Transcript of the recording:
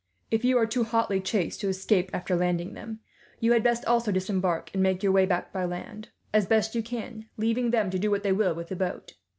If you are too hotly chased to escape, after landing them, you had best also disembark; and make your way back by land, as best you can, leaving them to do what they will with the boat.